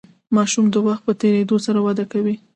ماشوم د وخت په تیریدو سره وده کوي.